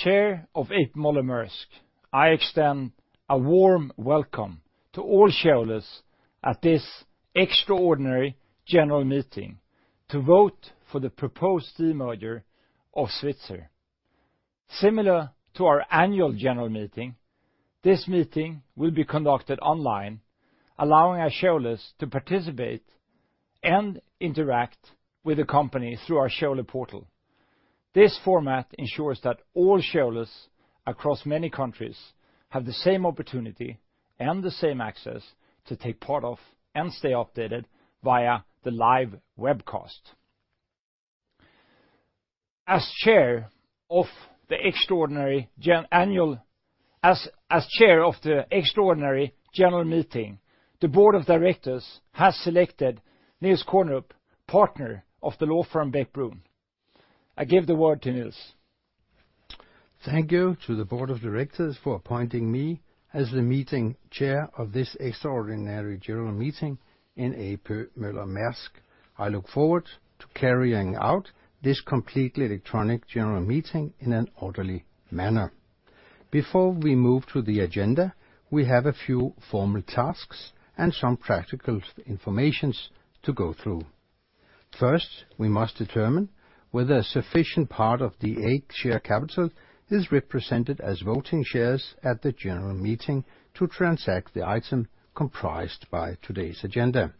As Chair of A.P. Moller - Maersk, I extend a warm welcome to all shareholders at this extraordinary general meeting to vote for the proposed demerger of Svitzer. Similar to our annual general meeting, this meeting will be conducted online, allowing our shareholders to participate and interact with the company through our shareholder portal. This format ensures that all shareholders across many countries have the same opportunity and the same access to take part of and stay updated via the live webcast. As Chair of the Extraordinary General Meeting, the Board of Directors has selected Niels Kornerup, partner of the law firm, Bech-Bruun. I give the word to Niels. Thank you to the Board of Directors for appointing me as the meeting Chair of this extraordinary general meeting in A.P. Moller - Maersk. I look forward to carrying out this completely electronic general meeting in an orderly manner. Before we move to the agenda, we have a few formal tasks and some practical information to go through. First, we must determine whether a sufficient part of the A share capital is represented as voting shares at the general meeting to transact the item comprised by today's agenda.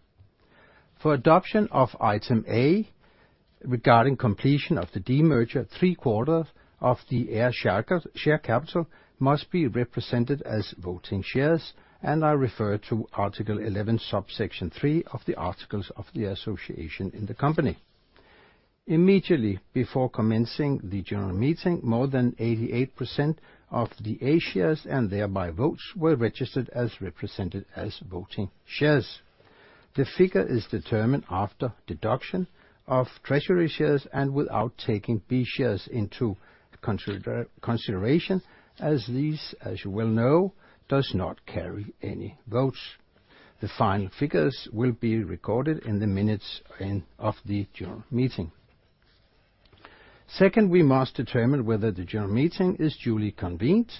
For adoption of item A, regarding completion of the demerger, three-quarters of the A share capital must be represented as voting shares, and I refer to Article 11, subsection 3 of the Articles of Association in the company. Immediately before commencing the general meeting, more than 88% of the A shares, and thereby votes, were registered as represented as voting shares. The figure is determined after deduction of treasury shares and without taking B shares into consideration, as these, as you well know, does not carry any votes. The final figures will be recorded in the minutes of the general meeting. Second, we must determine whether the general meeting is duly convened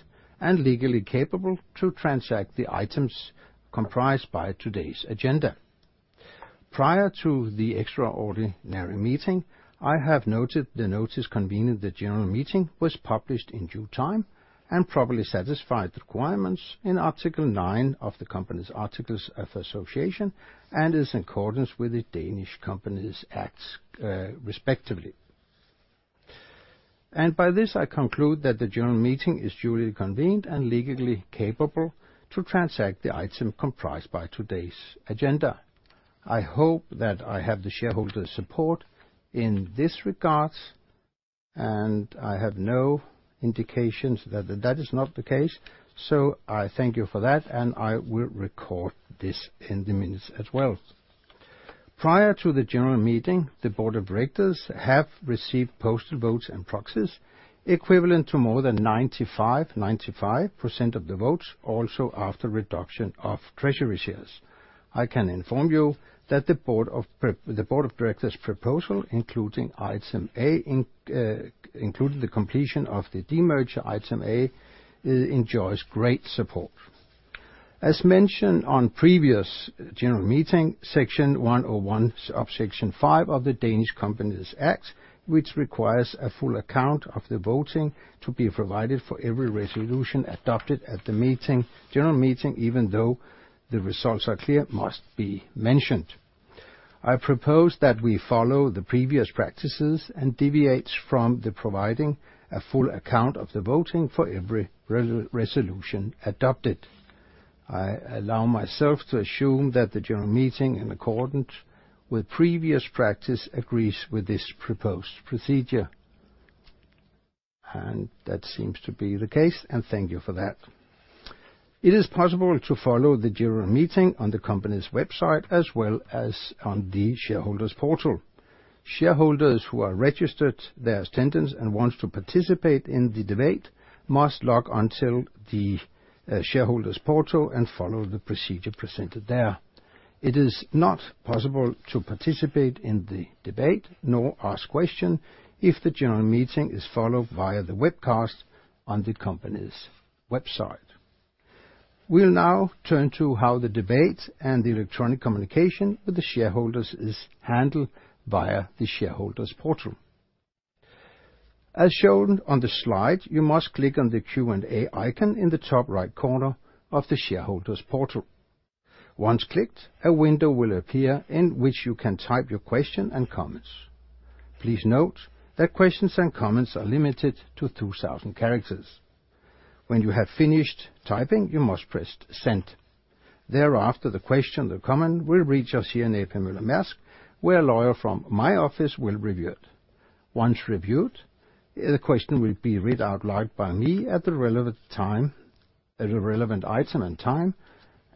and legally capable to transact the items comprised by today's agenda. Prior to the extraordinary meeting, I have noted the notice convening the general meeting was published in due time and properly satisfied the requirements in Article 9 of the company's articles of Association, and is in accordance with the Danish Companies Acts, respectively. By this, I conclude that the general meeting is duly convened and legally capable to transact the item comprised by today's agenda. I hope that I have the shareholders' support in this regards, and I have no indications that, that is not the case, so I thank you for that, and I will record this in the minutes as well. Prior to the general meeting, the Board of Directors have received posted votes and proxies equivalent to more than 95, 95% of the votes, also after reduction of treasury shares. I can inform you that the Board of Directors' proposal, including item A, in, including the completion of the demerger, item A, it enjoys great support. As mentioned on previous general meeting, Section 101, subsection 5 of the Danish Companies Act, which requires a full account of the voting to be provided for every resolution adopted at the meeting, general meeting, even though the results are clear, must be mentioned. I propose that we follow the previous practices and deviates from the providing a full account of the voting for every resolution adopted. I allow myself to assume that the general meeting, in accordance with previous practice, agrees with this proposed procedure. And that seems to be the case, and thank you for that. It is possible to follow the general meeting on the company's website, as well as on the shareholder's portal. Shareholders who are registered their attendance and wants to participate in the debate, must log onto the shareholder's portal and follow the procedure presented there. It is not possible to participate in the debate, nor ask question, if the general meeting is followed via the webcast on the company's website. We'll now turn to how the debate and the electronic communication with the shareholders is handled via the shareholder's portal. As shown on the slide, you must click on the Q&A icon in the top right corner of the shareholder's portal. Once clicked, a window will appear in which you can type your question and comments. Please note that questions and comments are limited to 2,000 characters. When you have finished typing, you must press Send. Thereafter, the question or comment will reach us here in A.P. Moller - Maersk, where a lawyer from my office will review it. Once reviewed, the question will be read out loud by me at the relevant time, at the relevant item and time,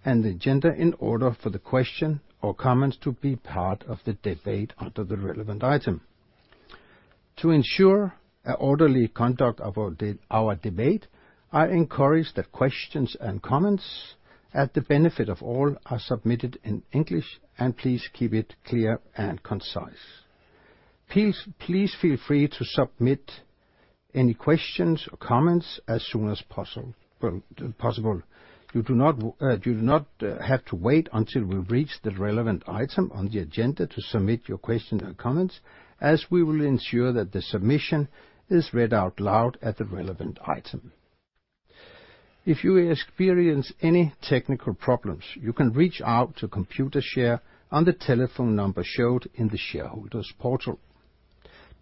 and the agenda in order for the question or comments to be part of the debate under the relevant item. To ensure an orderly conduct of our debate, I encourage that questions and comments, at the benefit of all, are submitted in English, and please keep it clear and concise. Please, please feel free to submit any questions or comments as soon as possible, well, possible. You do not, you do not have to wait until we've reached the relevant item on the agenda to submit your questions or comments, as we will ensure that the submission is read out loud at the relevant item. If you experience any technical problems, you can reach out to Computershare on the telephone number shown in the shareholders portal.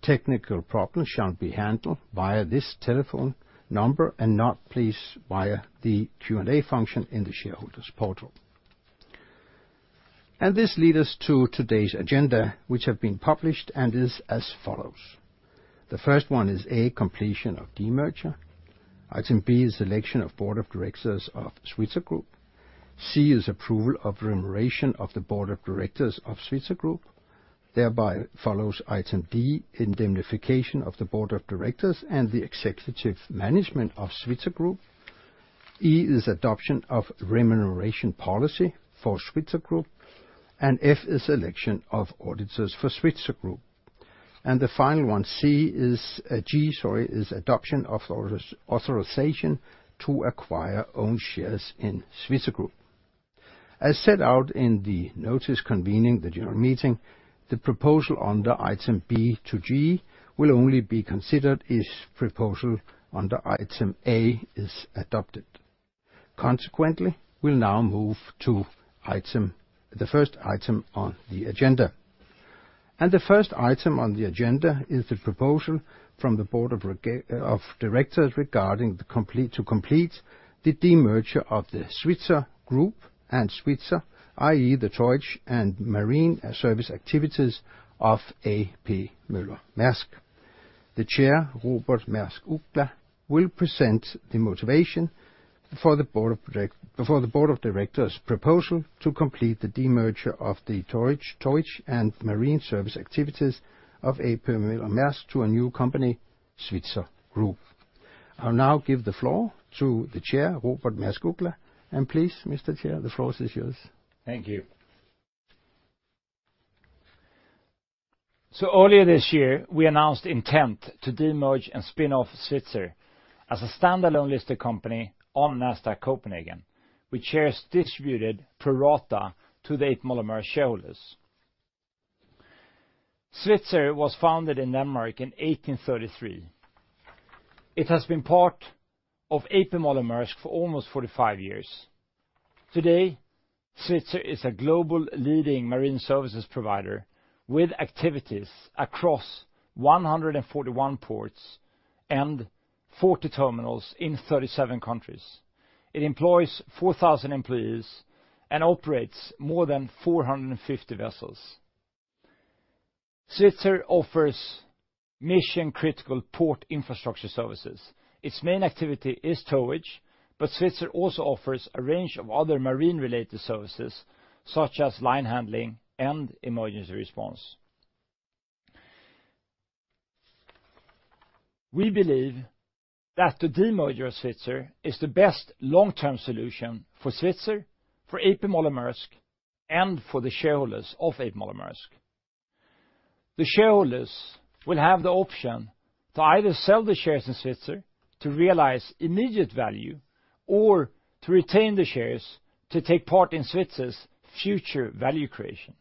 Technical problems shall be handled via this telephone number and not, please, via the Q&A function in the shareholders portal. This leads us to today's agenda, which have been published and is as follows: The first one is, A, completion of demerger. Item B is election of Board of Directors of Svitzer Group. C is approval of remuneration of the Board of Directors of Svitzer Group. Thereby, follows item D, indemnification of the Board of Directors and the executive management of Svitzer Group. E is adoption of remuneration policy for Svitzer Group, and F is election of auditors for Svitzer Group. The final one, C is, G, sorry, is adoption of authorization to acquire own shares in Svitzer Group. As set out in the notice convening the general meeting, the proposal on the item B to G will only be considered if proposal on the item A is adopted. Consequently, we'll now move to item, the first item on the agenda. The first item on the agenda is the proposal from the Board of Directors regarding to complete the demerger of the Svitzer Group and Svitzer, i.e., the towage and marine service activities of A.P. Moller - Maersk. The Chair, Robert Maersk Uggla, will present the motivation for the Board of Directors' proposal to complete the demerger of the towage and marine service activities of A.P. Moller - Maersk to a new company, Svitzer Group. I'll now give the floor to the Chair, Robert Maersk Uggla. And please, Mr. Chair, the floor is yours. Thank you. Earlier this year, we announced intent to demerge and spin off Svitzer as a standalone listed company on Nasdaq Copenhagen, which shares distributed pro rata to the A.P. Moller - Maersk shareholders. Svitzer was founded in Denmark in 1833. It has been part of A.P. Moller - Maersk for almost 45 years. Today, Svitzer is a global leading marine services provider with activities across 141 ports and 40 terminals in 37 countries. It employs 4,000 employees and operates more than 450 vessels. Svitzer offers mission-critical port infrastructure services. Its main activity is towage, but Svitzer also offers a range of other marine-related services, such as line handling and emergency response. We believe that the demerger of Svitzer is the best long-term solution for Svitzer, for A.P. Moller - Maersk, and for the shareholders of A.P. Moller - Maersk. The shareholders will have the option to either sell the shares in Svitzer to realize immediate value or to retain the shares to take part in Svitzer's future value creation.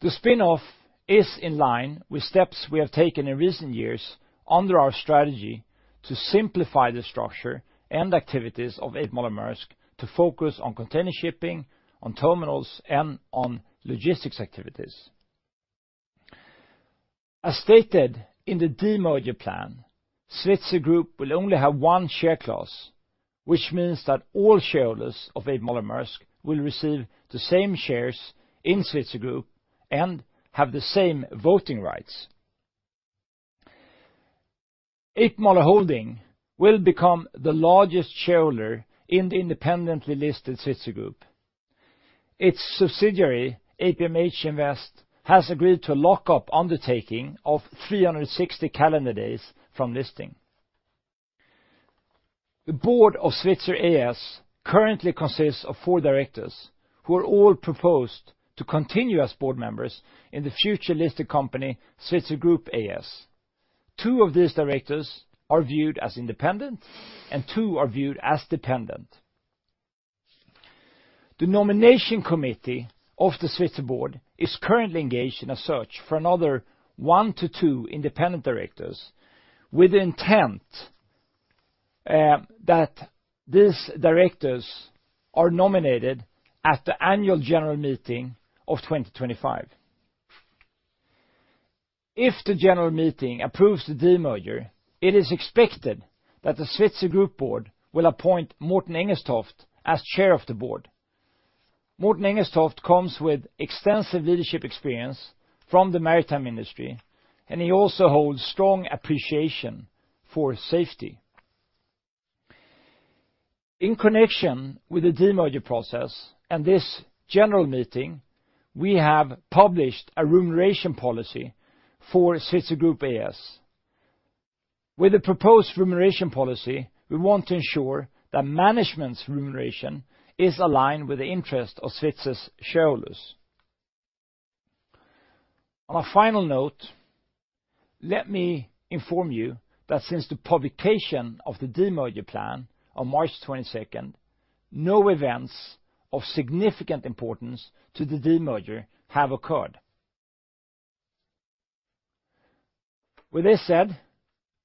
The spin-off is in line with steps we have taken in recent years under our strategy to simplify the structure and activities of A.P. Moller - Maersk to focus on container shipping, on terminals, and on logistics activities. As stated in the demerger plan, Svitzer Group will only have one share class, which means that all shareholders of A.P. Moller - Maersk will receive the same shares in Svitzer Group and have the same voting rights. A.P. Moller Holding will become the largest shareholder in the independently listed Svitzer Group. Its subsidiary, APMH Invest, has agreed to a lock-up undertaking of 360 calendar days from listing. The board of Svitzer A/S currently consists of four directors, who are all proposed to continue as board members in the future listed company, Svitzer Group A/S. Two of these directors are viewed as independent, and two are viewed as dependent. The Nomination Committee of the Svitzer board is currently engaged in a search for another one to two independent directors, with intent that these directors are nominated at the annual general meeting of 2025. If the general meeting approves the demerger, it is expected that the Svitzer Group board will appoint Morten Engelstoft as chair of the board. Morten Engelstoft comes with extensive leadership experience from the maritime industry, and he also holds strong appreciation for safety. In connection with the demerger process and this general meeting, we have published a remuneration policy for Svitzer Group A/S. With the proposed remuneration policy, we want to ensure that management's remuneration is aligned with the interest of Svitzer's shareholders. On a final note, let me inform you that since the publication of the demerger plan on March 22nd, no events of significant importance to the demerger have occurred. With this said,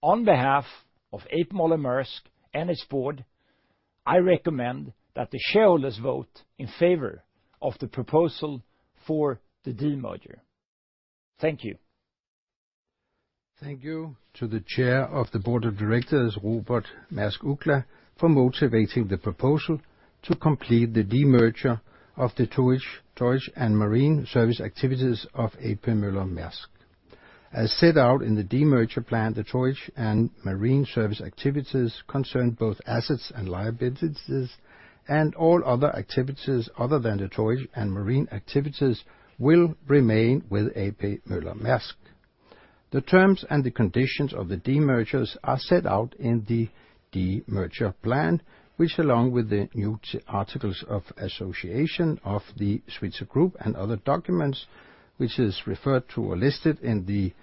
on behalf of A.P. Moller - Maersk and its board, I recommend that the shareholders vote in favor of the proposal for the demerger. Thank you. Thank you to the Chair of the Board of Directors, Robert Maersk Uggla, for motivating the proposal to complete the demerger of the towage, towage and marine service activities of A.P. Moller - Maersk. As set out in the demerger plan, the towage and marine service activities concern both assets and liabilities, and all other activities other than the towage and marine activities will remain with A.P. Moller - Maersk. The terms and the conditions of the demergers are set out in the demerger plan, which, along with the new articles of association of the Svitzer Group and other documents, which is referred to or listed in the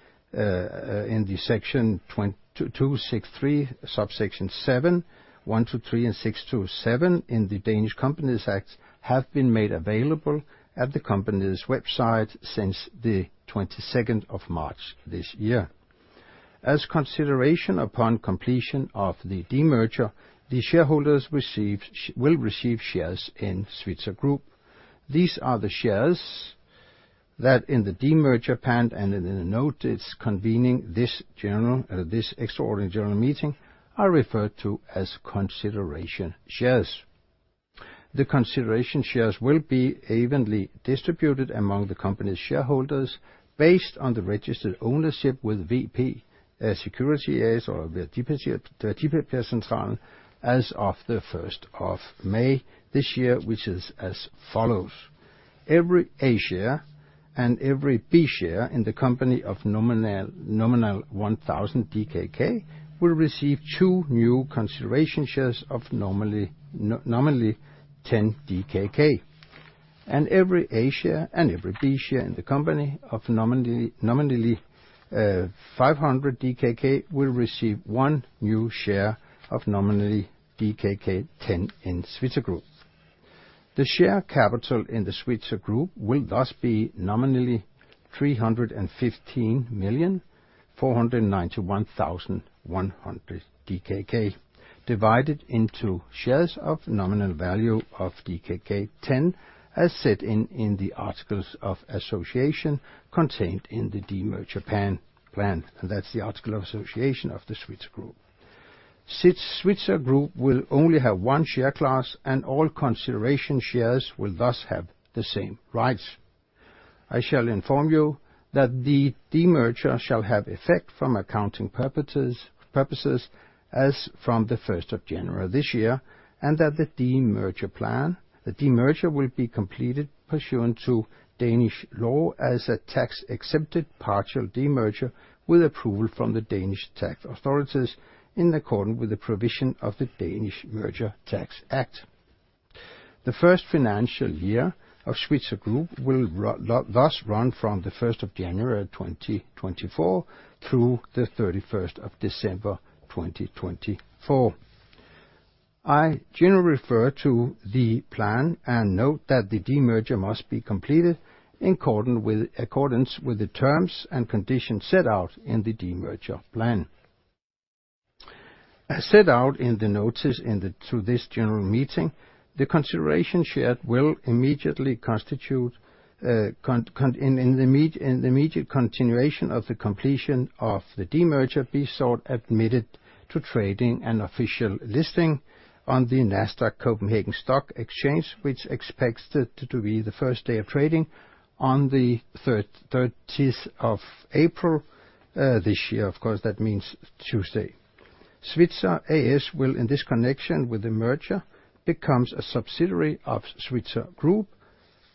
section 2263, subsection 7123, and 627 in the Danish Companies Act, have been made available at the company's website since the 22nd of March this year. As consideration upon completion of the demerger, the shareholders receive will receive shares in Svitzer Group. These are the shares that in the demerger plan and in the note, it's convening this general, this extraordinary general meeting, are referred to as consideration shares. The consideration shares will be evenly distributed among the company's shareholders based on the registered ownership with VP Securities A/S or the CSD Central, as of the 1st of May this year, which is as follows: Every A Share and every B Share in the company of nominal 1,000 DKK will receive two new consideration shares of nominally 10 DKK, and every A Share and every B Share in the company of nominally 500 DKK will receive one new share of nominally 10 DKK in Svitzer Group. The share capital in the Svitzer Group will thus be nominally 315,491,100 DKK, divided into shares of nominal value of DKK 10, as set in the articles of association contained in the demerger plan, and that's the articles of association of the Svitzer Group. Since Svitzer Group will only have one share class and all consideration shares will thus have the same rights. I shall inform you that the demerger shall have effect from accounting purposes as from the 1st of January this year, and that the demerger plan, the demerger, will be completed pursuant to Danish law as a tax-accepted partial demerger, with approval from the Danish tax authorities, in accordance with the provision of the Danish Merger Tax Act. The first financial year of Svitzer Group will run from the 1st of January, 2024, through the 31st of December, 2024. I generally refer to the plan and note that the demerger must be completed in accordance with the terms and conditions set out in the demerger plan. As set out in the notices to this general meeting, the consideration shares will immediately, in the immediate continuation of the completion of the demerger, be admitted to trading and official listing on the Nasdaq Copenhagen Stock Exchange, which expects it to be the first day of trading on the 30th of April this year. Of course, that means Tuesday. Svitzer A/S will, in this connection with the merger, becomes a subsidiary of Svitzer Group,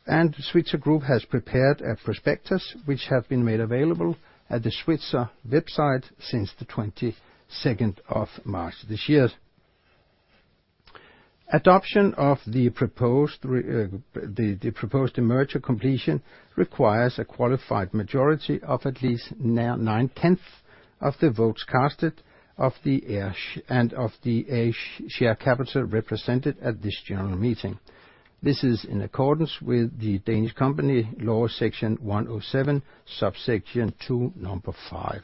and Svitzer Group has prepared a prospectus, which have been made available at the Svitzer website since the 22nd of March this year. Adoption of the proposed the proposed demerger completion requires a qualified majority of at least nine-tenths of the votes cast of the A and B share capital represented at this general meeting. This is in accordance with the Danish company law, section 107, subsection 2, number 5.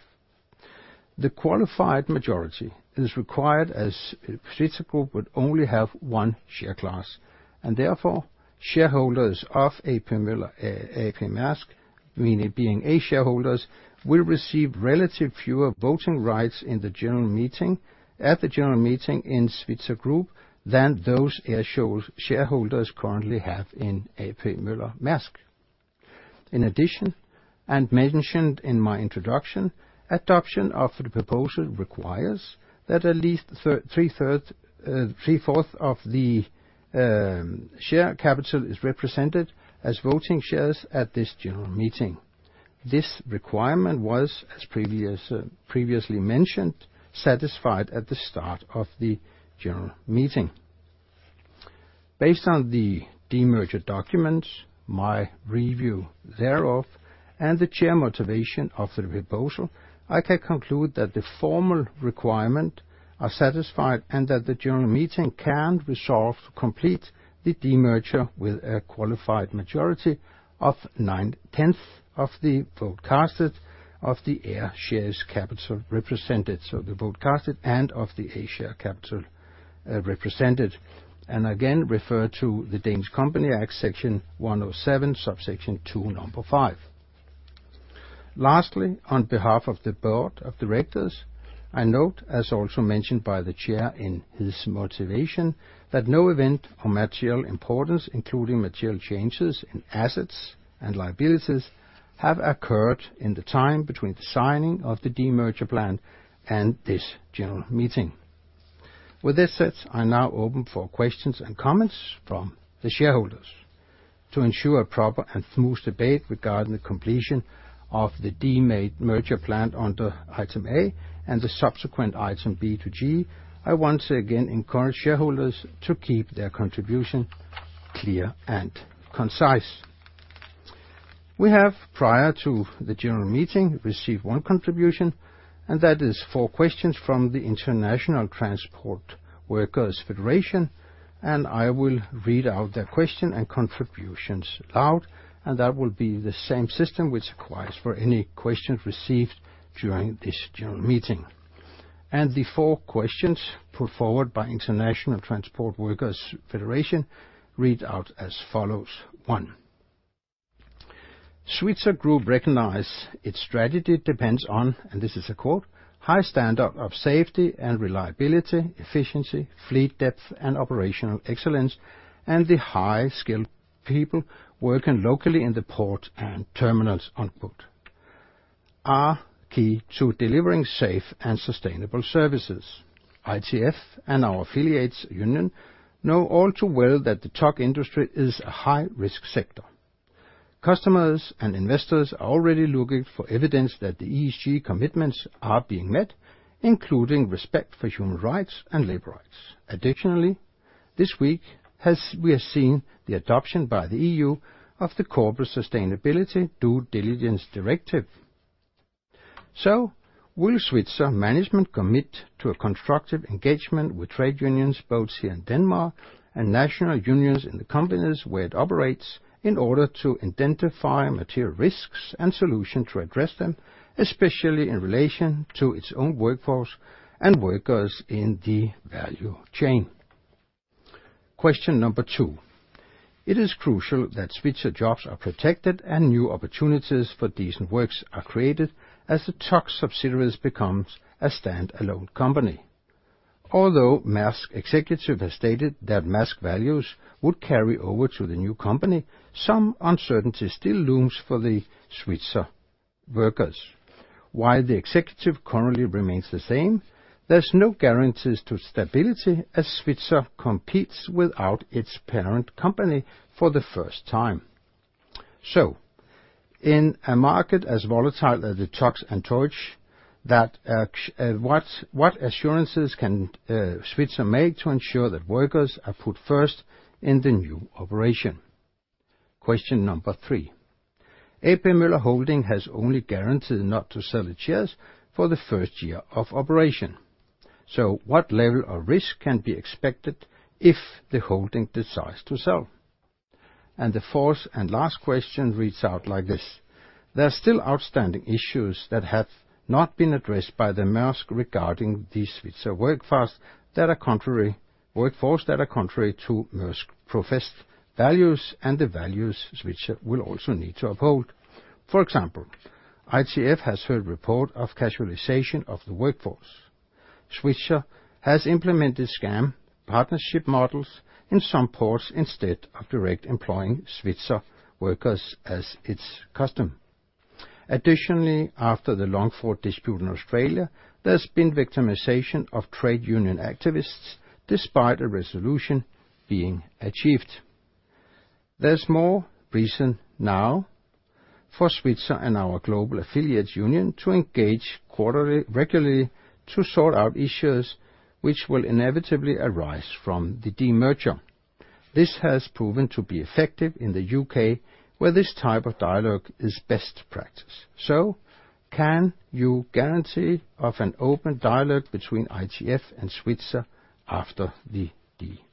The qualified majority is required as Svitzer Group would only have one share class, and therefore shareholders of A.P. Moller - Maersk, meaning being A shareholders, will receive relatively fewer voting rights in the general meeting, at the general meeting in Svitzer Group than those A shareholders currently have in A.P. Moller - Maersk. In addition, and mentioned in my introduction, adoption of the proposal requires that at least 3/3, 3/4 of the share capital is represented as voting shares at this general meeting. This requirement was previously mentioned, satisfied at the start of the general meeting. Based on the demerger documents, my review thereof, and the chair motivation of the proposal, I can conclude that the formal requirement are satisfied and that the general meeting can resolve to complete the demerger with a qualified majority of nine-tenths of the vote casted of the A shares capital represented. So the vote casted and of the A share capital, represented, and again, refer to the Danish Company Act, Section 107, subsection 2, number 5. Lastly, on behalf of the board of directors, I note, as also mentioned by the chair in his motivation, that no event or material importance, including material changes in assets and liabilities, have occurred in the time between the signing of the demerger plan and this general meeting. With this said, I now open for questions and comments from the shareholders. To ensure a proper and smooth debate regarding the completion of the demerger plan under item A and the subsequent item B to G, I once again encourage shareholders to keep their contribution clear and concise. We have, prior to the general meeting, received one contribution, and that is four questions from the International Transport Workers' Federation, and I will read out their question and contributions aloud, and that will be the same system which applies for any questions received during this general meeting. The four questions put forward by International Transport Workers' Federation read out as follows. One, Svitzer Group recognize its strategy depends on, and this is a quote, "High standard of safety and reliability, efficiency, fleet depth and operational excellence, and the high-skilled people working locally in the port and terminals on port, are key to delivering safe and sustainable services. ITF and our affiliates union know all too well that the tug industry is a high-risk sector. Customers and investors are already looking for evidence that the ESG commitments are being met, including respect for human rights and labor rights. Additionally, this week, as we have seen the adoption by the EU of the Corporate Sustainability Due Diligence Directive. So will Svitzer management commit to a constructive engagement with trade unions, both here in Denmark and national unions in the companies where it operates, in order to identify material risks and solution to address them, especially in relation to its own workforce and workers in the value chain? Question number two: It is crucial that Svitzer jobs are protected and new opportunities for decent works are created as the tug subsidiaries becomes a stand-alone company. Although Maersk executive has stated that Maersk values would carry over to the new company, some uncertainty still looms for the Svitzer workers. While the executive currently remains the same, there's no guarantees to stability as Svitzer competes without its parent company for the first time. So in a market as volatile as the tugs and towage, that, what assurances can Svitzer make to ensure that workers are put first in the new operation? Question number three: A.P. Moller Holding has only guaranteed not to sell the shares for the first year of operation. So what level of risk can be expected if the holding decides to sell? And the fourth and last question reads out like this: There are still outstanding issues that have not been addressed by the Maersk regarding the Svitzer workforce that are contrary to Maersk professed values and the values Svitzer will also need to uphold. For example, ITF has heard reports of casualization of the workforce. Svitzer has implemented sham partnership models in some ports instead of direct employing Svitzer workers as its custom. Additionally, after the long-fought dispute in Australia, there's been victimization of trade union activists, despite a resolution being achieved. There's more reason now for Svitzer and our global affiliate union to engage quarterly, regularly to sort out issues which will inevitably arise from the demerger. This has proven to be effective in the UK, where this type of dialogue is best practice. So can you guarantee an open dialogue between ITF and Svitzer after the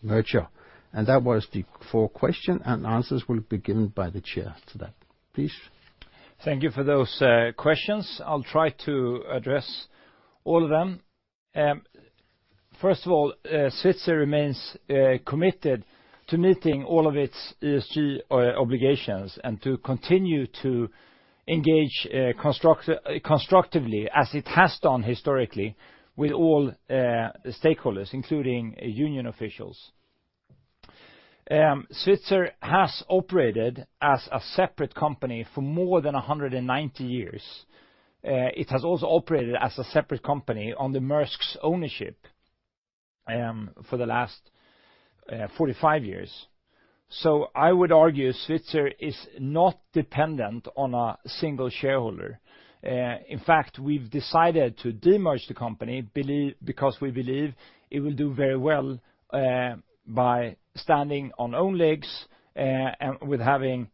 merger? And that was the fourth question, and answers will be given by the chair to that. Please. Thank you for those questions. I'll try to address all of them. First of all, Svitzer remains committed to meeting all of its ESG obligations and to continue to engage constructively, as it has done historically, with all stakeholders, including union officials. Svitzer has operated as a separate company for more than 190 years. It has also operated as a separate company under Maersk's ownership for the last 45 years. So I would argue Svitzer is not dependent on a single shareholder. In fact, we've decided to demerge the company, believe, because we believe it will do very well by standing on own legs and with having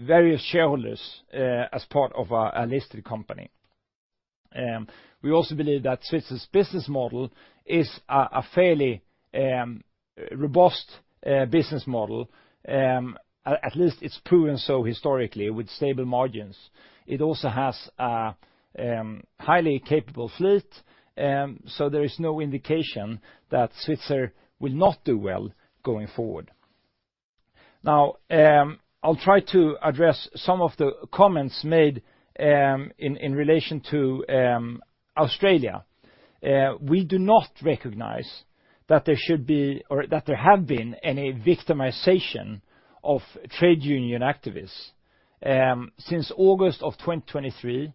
various shareholders as part of our listed company. We also believe that Svitzer's business model is a fairly robust business model. At least it's proven so historically with stable margins. It also has a highly capable fleet, so there is no indication that Svitzer will not do well going forward. Now, I'll try to address some of the comments made in relation to Australia. We do not recognize that there should be or that there have been any victimization of trade union activists. Since August 2023,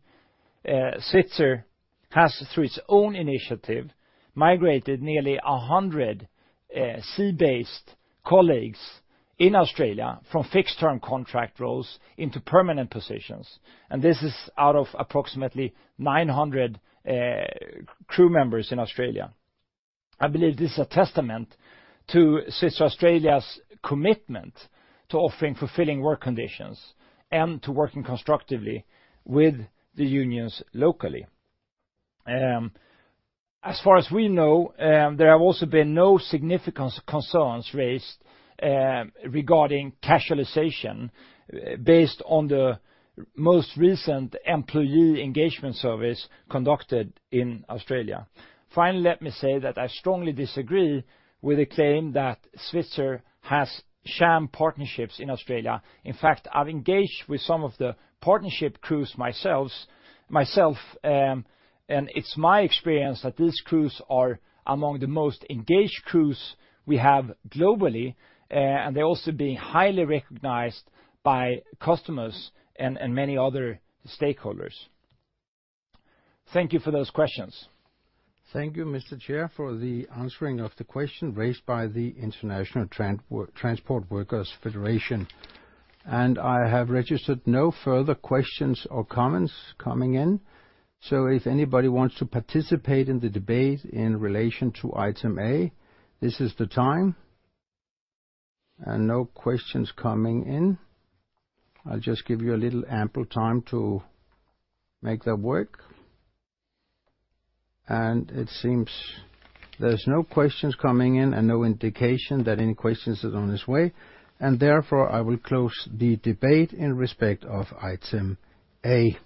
Svitzer has, through its own initiative, migrated nearly 100 sea-based colleagues in Australia from fixed-term contract roles into permanent positions, and this is out of approximately 900 crew members in Australia. I believe this is a testament to Svitzer Australia's commitment to offering fulfilling work conditions and to working constructively with the unions locally. As far as we know, there have also been no significant concerns raised, regarding casualization, based on the most recent employee engagement surveys conducted in Australia. Finally, let me say that I strongly disagree with the claim that Svitzer has sham partnerships in Australia. In fact, I've engaged with some of the partnership crews myself, myself, and it's my experience that these crews are among the most engaged crews we have globally, and they're also being highly recognized by customers and, and many other stakeholders. Thank you for those questions. Thank you, Mr. Chair, for the answering of the question raised by the International Transport Workers' Federation. I have registered no further questions or comments coming in, so if anybody wants to participate in the debate in relation to item A, this is the time. No questions coming in. I'll just give you a little ample time to make that work. It seems there's no questions coming in and no indication that any questions is on its way, and therefore, I will close the debate in respect of item A.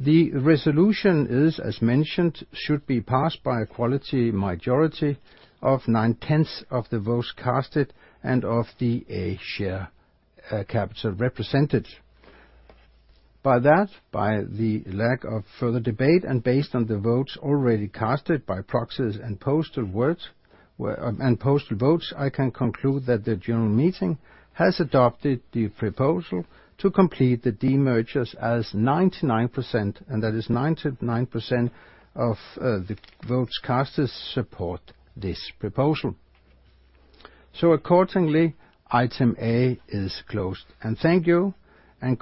The resolution is, as mentioned, should be passed by a qualified majority of nine-tenths of the votes cast and of the A Share capital represented. By that, by the lack of further debate, and based on the votes already cast by proxies and postal votes, I can conclude that the general meeting has adopted the proposal to complete the demergers as 99%, and that is 99% of the votes cast support this proposal. So accordingly, item A is closed. Thank you, and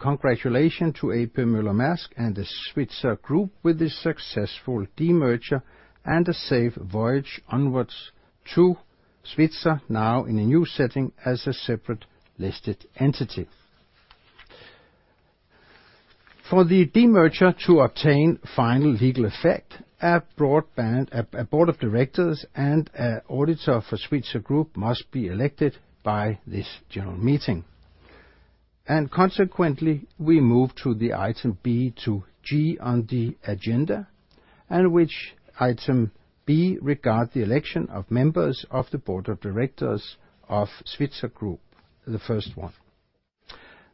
congratulations to A.P. Moller - Maersk and the Svitzer Group with this successful demerger and a safe voyage onwards to Svitzer, now in a new setting as a separate listed entity. For the demerger to obtain final legal effect, a board of directors and an auditor for Svitzer Group must be elected by this general meeting. Consequently, we move to the item B to G on the agenda, and which item B regards the election of members of the board of directors of Svitzer Group, the first one.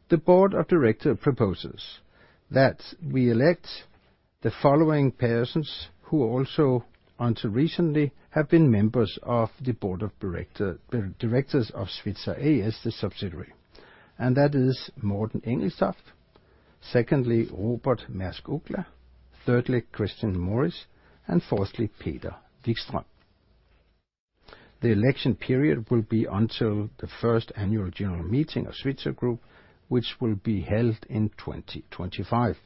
The board of directors proposes that we elect the following persons, who also until recently have been members of the board of directors of Svitzer A/S as the subsidiary, and that is Morten Engelstoft, secondly, Robert Maersk Uggla, thirdly, Christine Morris, and fourthly, Peter Wikström. The election period will be until the first annual general meeting of Svitzer Group, which will be held in 2025.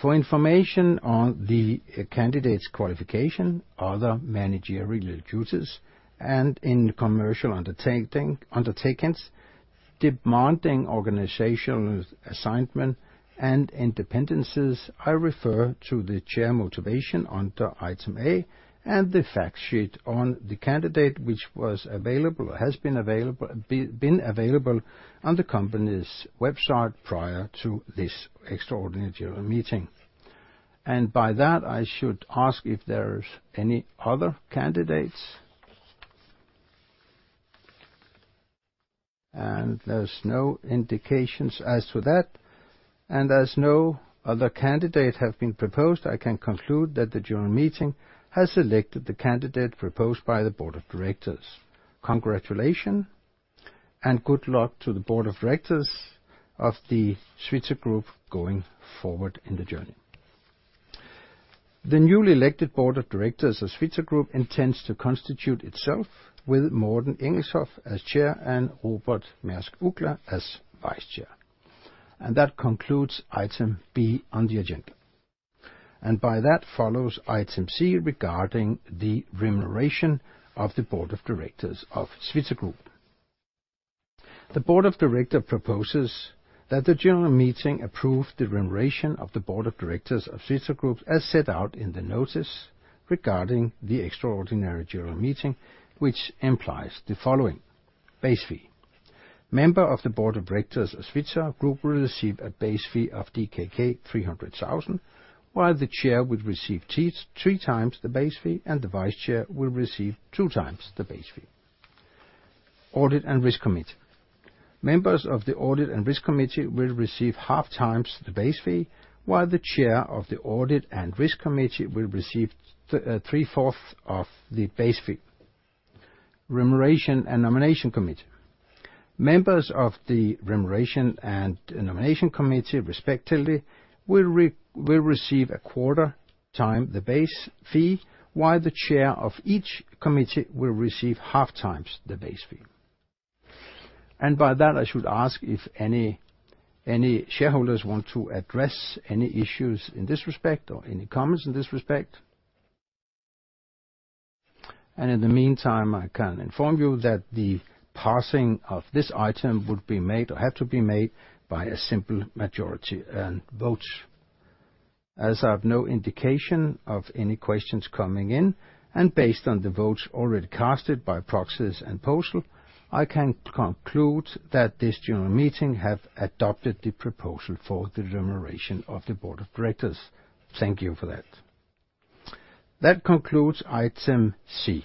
For information on the candidate's qualification, other managerial duties, and in commercial undertaking, undertakings, demanding organizational assignment and independencies, I refer to the chair motivation under item A and the fact sheet on the candidate, which was available or has been available, been available on the company's website prior to this extraordinary general meeting. By that, I should ask if there's any other candidates. There's no indications as to that, and as no other candidate have been proposed, I can conclude that the general meeting has elected the candidate proposed by the board of directors. Congratulations. Good luck to the board of directors of the Svitzer Group going forward in the journey. The newly elected board of directors of Svitzer Group intends to constitute itself with Morten Engelstoft as chair and Robert Maersk Uggla as vice chair. That concludes item B on the agenda. By that, follows item C, regarding the remuneration of the board of directors of Svitzer Group. The board of directors proposes that the general meeting approve the remuneration of the board of directors of Svitzer Group, as set out in the notice regarding the extraordinary general meeting, which implies the following: Base fee. A member of the board of directors of Svitzer Group will receive a base fee of DKK 300,000, while the chair will receive three times the base fee, and the vice chair will receive two times the base fee. Audit and Risk Committee. Members of the Audit and Risk Committee will receive half times the base fee, while the chair of the Audit and Risk Committee will receive three-fourths of the base fee. Remuneration and Nomination Committee. Members of the Remuneration and Nomination Committee, respectively, will receive a quarter time the base fee, while the chair of each committee will receive half times the base fee. By that, I should ask if any shareholders want to address any issues in this respect or any comments in this respect? In the meantime, I can inform you that the passing of this item would be made, or have to be made, by a simple majority in votes. As I have no indication of any questions coming in, and based on the votes already casted by proxies and postal, I can conclude that this general meeting have adopted the proposal for the remuneration of the board of directors. Thank you for that. That concludes item C.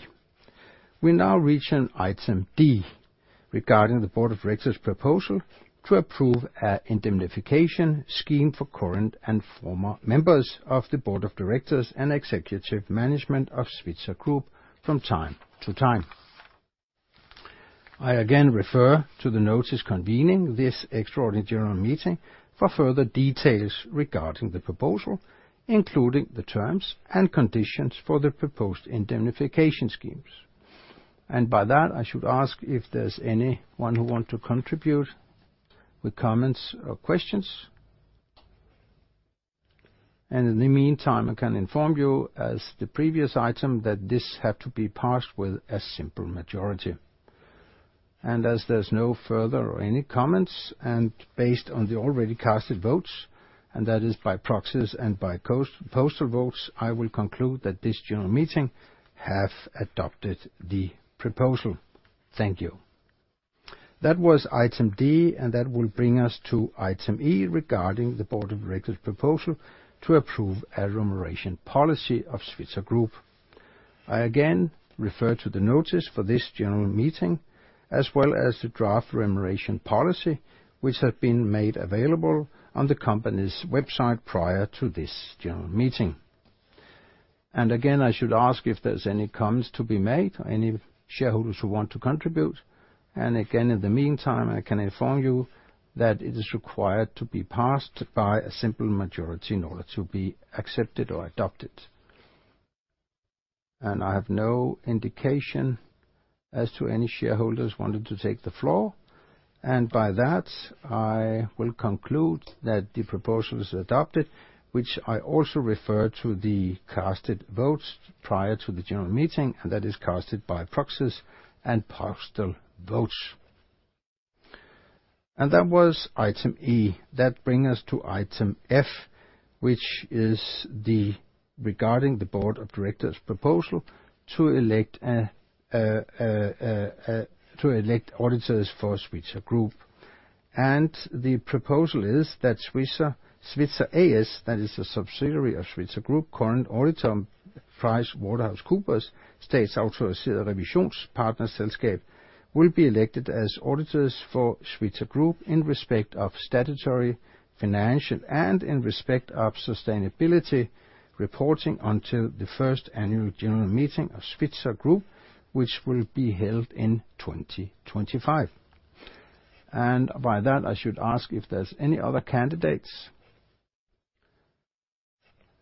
We now reach item D, regarding the board of directors' proposal to approve an indemnification scheme for current and former members of the board of directors and executive management of Svitzer Group from time to time. I again refer to the notice convening this extraordinary general meeting for further details regarding the proposal, including the terms and conditions for the proposed indemnification schemes. By that, I should ask if there's anyone who want to contribute with comments or questions? In the meantime, I can inform you, as the previous item, that this had to be passed with a simple majority. As there's no further or any comments, and based on the already cast votes, and that is by proxies and by post, postal votes, I will conclude that this general meeting have adopted the proposal. Thank you. That was item D, and that will bring us to item E, regarding the board of directors' proposal to approve a remuneration policy of Svitzer Group. I again refer to the notice for this general meeting, as well as the draft remuneration policy, which have been made available on the company's website prior to this general meeting. And again, I should ask if there's any comments to be made or any shareholders who want to contribute. And again, in the meantime, I can inform you that it is required to be passed by a simple majority in order to be accepted or adopted. And I have no indication as to any shareholders wanting to take the floor. And by that, I will conclude that the proposal is adopted, which I also refer to the casted votes prior to the general meeting, and that is casted by proxies and postal votes. That was item E. That bring us to item F, which is regarding the board of directors' proposal to elect, to elect auditors for Svitzer Group. The proposal is that Svitzer, Svitzer A/S, that is a subsidiary of Svitzer Group, current auditor, PricewaterhouseCoopers Statsautoriseret Revisionspartnerselskab, will be elected as auditors for Svitzer Group in respect of statutory, financial, and in respect of sustainability reporting until the first annual general meeting of Svitzer Group, which will be held in 2025. By that, I should ask if there's any other candidates?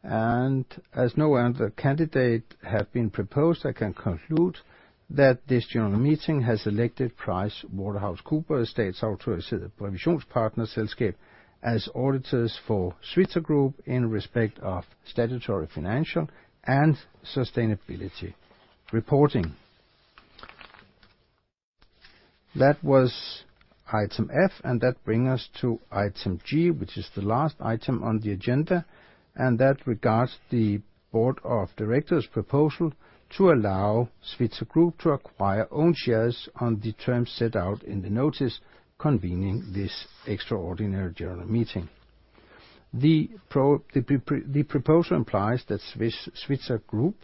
And as no other candidate have been proposed, I can conclude that this general meeting has elected PricewaterhouseCoopers Statsautoriseret Revisionspartnerselskab, as auditors for Svitzer Group in respect of statutory, financial, and sustainability reporting. That was item F, and that bring us to item G, which is the last item on the agenda, and that regards the board of directors' proposal to allow Svitzer Group to acquire own shares on the terms set out in the notice convening this extraordinary general meeting. The proposal implies that Svitzer Group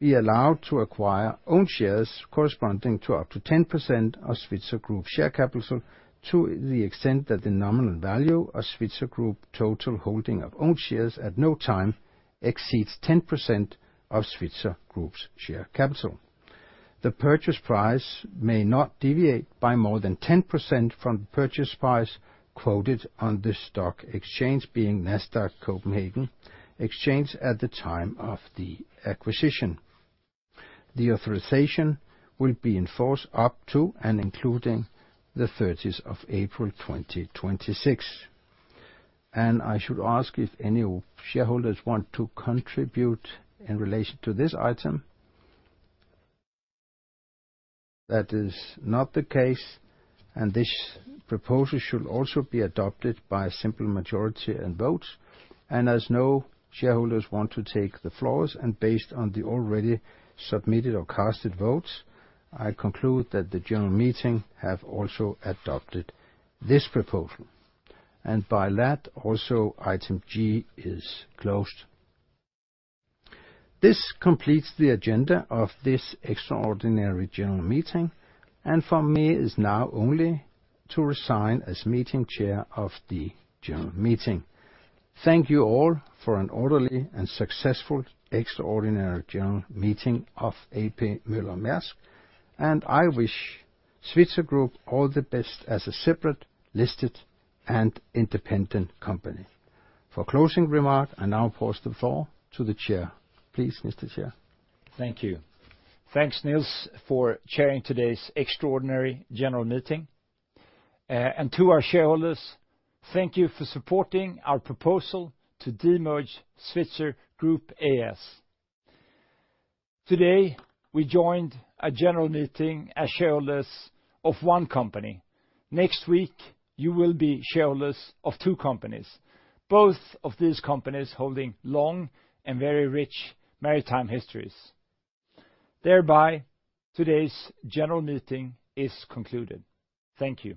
be allowed to acquire own shares corresponding to up to 10% of Svitzer Group share capital, to the extent that the nominal value of Svitzer Group total holding of own shares at no time exceeds 10% of Svitzer Group's share capital. The purchase price may not deviate by more than 10% from the purchase price quoted on the stock exchange, being Nasdaq Copenhagen, at the time of the acquisition. The authorization will be in force up to and including the 30th of April, 2026. I should ask if any shareholders want to contribute in relation to this item? That is not the case, and this proposal should also be adopted by a simple majority in votes. As no shareholders want to take the floors, and based on the already submitted or casted votes, I conclude that the general meeting have also adopted this proposal, and by that, also item G is closed. This completes the agenda of this extraordinary general meeting, and for me, it is now only to resign as meeting chair of the general meeting. Thank you all for an orderly and successful extraordinary general meeting of A.P. Moller - Maersk, and I wish Svitzer Group all the best as a separate, listed, and independent company. For closing remark, I now pass the floor to the chair. Please, Mr. Chair. Thank you. Thanks, Niels, for chairing today's extraordinary general meeting. And to our shareholders, thank you for supporting our proposal to demerge Svitzer Group A/S. Today, we joined a general meeting as shareholders of one company. Next week, you will be shareholders of two companies, both of these companies holding long and very rich maritime histories. Thereby, today's general meeting is concluded. Thank you.